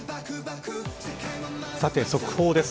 さて、速報です。